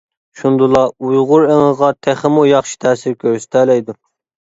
شۇندىلا ئۇيغۇر ئېڭىغا تېخىمۇ ياخشى تەسىر كۆرسىتەلەيدۇ.